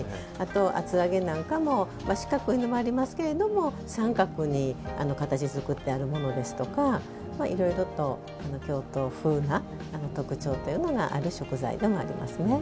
厚揚げなんかも四角いのもありますが三角に形づくってあるものとかいろいろと京都風な特徴がある食材でもありますね。